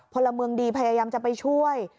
พลเมืองดีพยายามจะไปช่วย